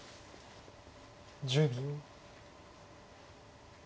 １０秒。